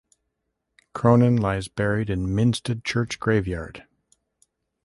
Cronin lies buried in Minstead Church graveyard.